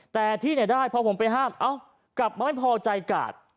แต่ที่ได้พอผมไปห้ามเอ้ากลับมาไม่พอใจกาด